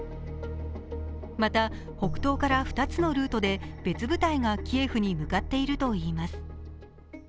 また、北東から２つのルートで別部隊がキエフに向かっているといいます。